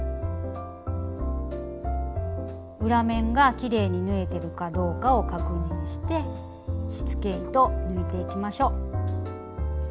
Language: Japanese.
裏面がきれいに縫えてるかどうかを確認してしつけ糸を抜いていきましょう。